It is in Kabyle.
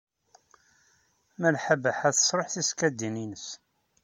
Malḥa Baḥa tesṛuḥ tisekkadin-nnes.